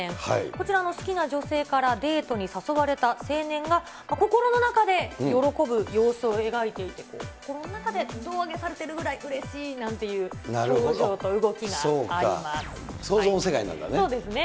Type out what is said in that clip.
こちらは、好きな女性からデートに誘われた青年が、心の中で喜ぶ様子を描いていて、心の中で胴上げされてるぐらいうれしいなんていう表情と動きがあ想像の世界なんだね。